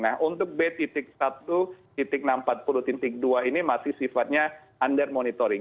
nah untuk b satu enam ratus empat puluh dua ini masih sifatnya under monitoring